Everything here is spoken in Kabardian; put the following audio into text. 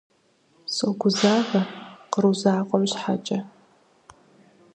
Согузавэр къру закъуэм щхьэкӏэ.